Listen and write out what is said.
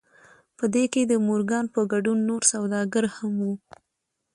په دې کې د مورګان په ګډون نور سوداګر هم وو